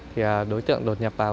thì đối tượng đột nhập vào